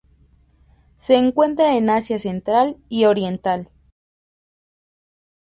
Se encuentra en Asia Central y Oriental.